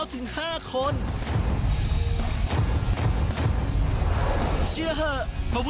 สวัสดีครับ